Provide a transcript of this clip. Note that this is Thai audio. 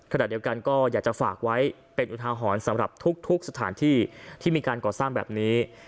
ขณะเดียวกันก็อยากจะฝากไว้เป็นอุทาหรณ์สำหรับทุกสถานที่ที่มีการก่อสร้างแบบนี้